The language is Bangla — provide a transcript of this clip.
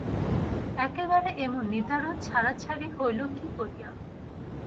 একেবারে এমন নিদারুণ ছাড়াছাড়ি হইল কী করিয়া।